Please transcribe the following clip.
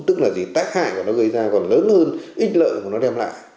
tức là gì tác hại của nó gây ra còn lớn hơn ít lợi của nó đem lại